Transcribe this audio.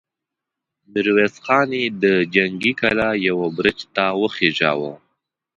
ميرويس خان يې د جنګي کلا يوه برج ته وخېژاوه!